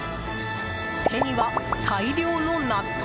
手には大量の納豆？